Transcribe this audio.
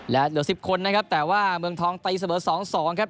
และเหลือ๑๐คนนะครับแต่ว่าเมืองทองตีเสมอ๒๒ครับ